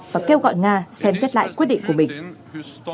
và kêu gọi nga xem xét lại quyết định của mình